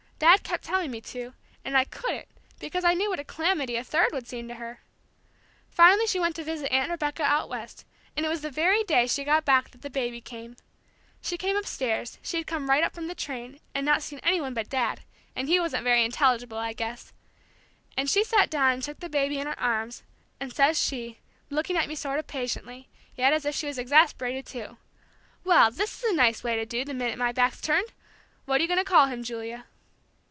Dad kept telling me to, and I couldn't, because I knew what a calamity a third would seem to her! Finally she went to visit Aunt Rebecca out West, and it was the very day she got back that the baby came. She came upstairs she'd come right up from the train, and not seen any one but Dad; and he wasn't very intelligible, I guess and she sat down and took the baby in her arms, and says she, looking at me sort of patiently, yet as if she was exasperated too: 'Well, this is a nice way to do, the minute my back's turned! What are you going to call him, Julia?'